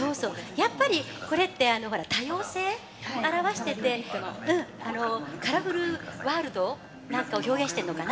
やっぱりこれって多様性を表していてカラフルワールドなんかを表現しているのかな。